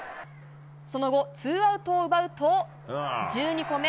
その後、ツーアウトを奪うと１２個目。